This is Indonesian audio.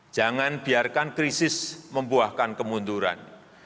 jangan biarkan krisis membuahkan kemunduran